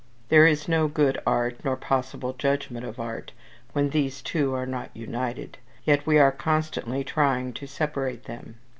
There is no good art, nor possible judgment of art, when these two are not united; yet we are constantly trying to separate them.